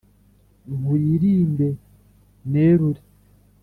nkuririmbe nerure